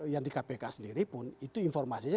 yang di kpk sendiri pun itu informasinya